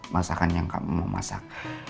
masakan yang kamu mau masak